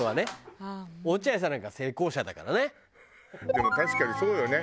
でも確かにそうよね。